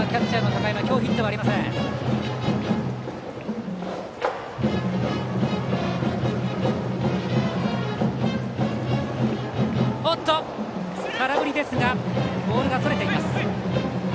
空振りですがボールがそれています。